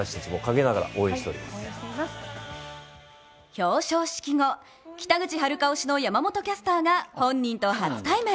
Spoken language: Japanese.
表彰式後、北口榛花推しの山本キャスターが本人と初対面。